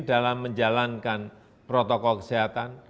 dalam menjalankan protokol kesehatan